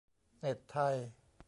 เน็ตไทย